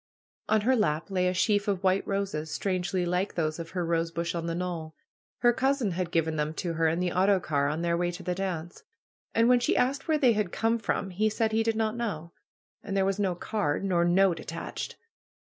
On her lap lay a sheaf of white roses, strangely like those of her bush on the knoll. Her cousin had given them to her in the autocar on their way to the dance. And when she asked where they had come from he said he did not know. And there was no card, nor note at tached.